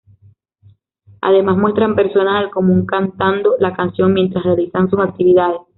Además muestran personas del común cantando la canción mientras realizan sus actividades.